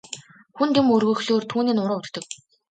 Хүнд юм өргөхлөөр түүний нуруу өвддөг.